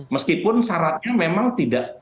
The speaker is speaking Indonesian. meskipun syaratnya memang tidak